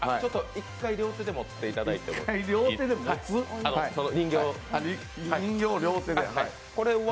１回両手で持ってもらっても？